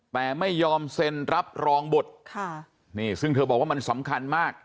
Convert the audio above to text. แต่ไม่ยอมเซ็นรับรองบุตรค่ะนี่ซึ่งเธอบอกว่ามันสำคัญมาก